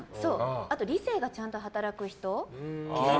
あと理性がちゃんと働く人。